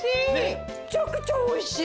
めっちゃくちゃ美味しい。